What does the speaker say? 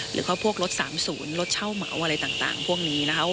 หรือพวกรถสามศูนย์รถเช่าเหมาอะไรต่างพวกนี้นะครับ